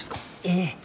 ええ。